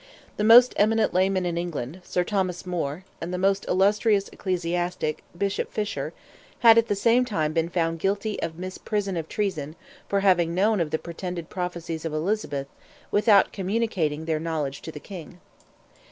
The most eminent layman in England, Sir Thomas More, and the most illustrious ecclesiastic, Bishop Fisher, had at the same time been found guilty of misprision of treason for having known of the pretended prophecies of Elizabeth without communicating their knowledge to the King.